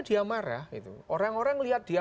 dia marah orang orang melihat dia